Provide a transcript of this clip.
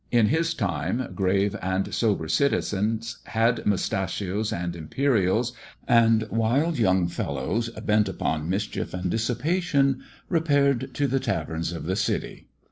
In his time, grave and sober citizens had mustachios and imperials; and wild young fellows, bent upon mischief and dissipation, repaired to the taverns of the city.